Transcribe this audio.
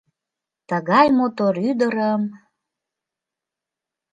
Тыгай мотор ӱдырым